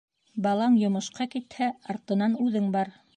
Балаң йомошҡа китһә, артынан үҙең бар.